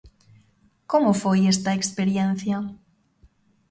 Como foi esta experiencia?